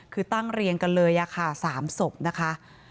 คือตั้งเรียงกันเลยค่ะ๓ศพนะคะ